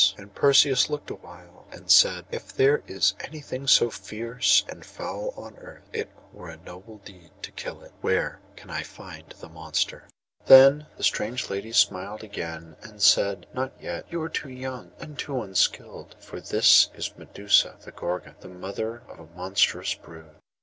And Perseus looked awhile, and then said: 'If there is anything so fierce and foul on earth, it were a noble deed to kill it. Where can I find the monster?' Then the strange lady smiled again, and said: 'Not yet; you are too young, and too unskilled; for this is Medusa the Gorgon, the mother of a monstrous brood.